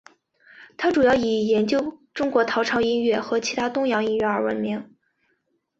他主要以研究中国唐朝音乐和其他东洋音乐而闻名。